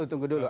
nah tunggu dulu